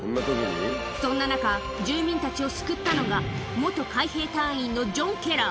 そんな中、住民たちを救ったのが、元海兵隊員のジョン・ケラー。